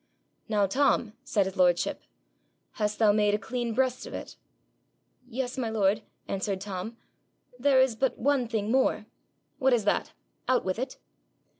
'Now, Tom,' said his lordship, 'hast thou made a clean breast of it?' 'Yes, my lord,' answered Tom; 'there is but one thing more.' 'What is that? Out with it.'